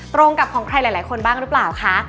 ตรงกับของใครหลายคนบ้างหรือเปล่าคะ